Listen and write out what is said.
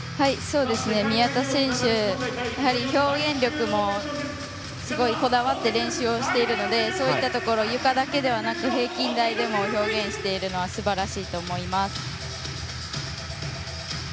宮田選手はやはり表現力にもすごいこだわって練習しているのでそういったところゆかだけではなく平均台でも表現しているのはすばらしいと思います。